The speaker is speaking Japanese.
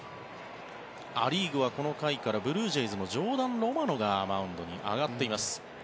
ア・リーグは、この回からブルージェイズのジョーダン・ロマノがマウンドに上がっています。